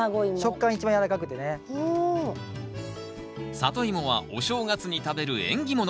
サトイモはお正月に食べる縁起物。